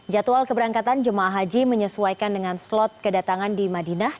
jadwal keberangkatan jemaah haji menyesuaikan dengan slot kedatangan di madinah